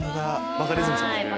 バカリズムさんもいる。